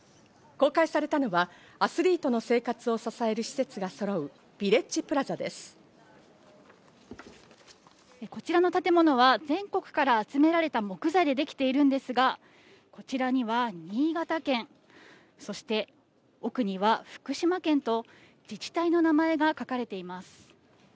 公開されたのはアスリートの生活を支える施設がそろう、こちらの建物は全国から集められた木材でできているんですが、こちらには新潟県、そして奥には福島県と自治体の名前が書かれています。